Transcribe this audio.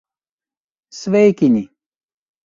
Sveikiņi!